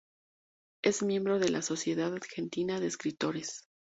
Es miembro de la Sociedad Argentina de Escritores.